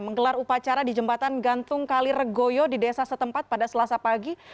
menggelar upacara di jembatan gantung kaliregoyo di desa setempat pada selasa pagi